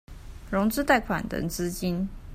融資貸款等資金